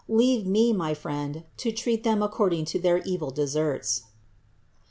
Leave Me, my friend, to treat them according to their evil deserts."